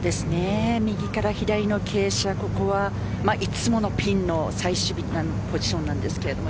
右から左の傾斜、ここはいつものピンの最終日ポジションなんですけど